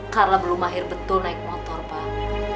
karla belum akhir betul naik motor pak